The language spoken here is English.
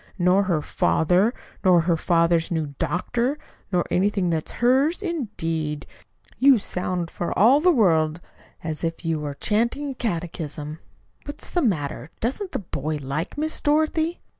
"'Nor her father, nor her father's new doctor, nor anything that is hers,' indeed! You sound for all the world as if you were chanting a catechism! What's the matter? Doesn't the boy like Miss Dorothy?"